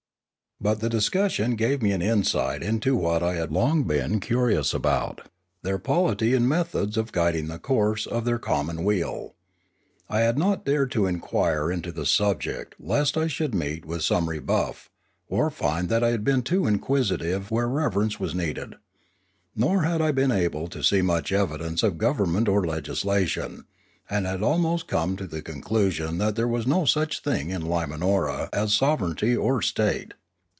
But the discussion gave me an insight into what I had long been .curious about, their polity and methods of guiding the course of their commonweal. I had not dared to inquire into the subject lest I should meet with some rebuff, or find that I had been too inquisitive where reverence was needed. Nor had I been able to see much evidence of government or legislation, and had almost come to the conclusion that there was no such thing in Limanora as sovereignty or state.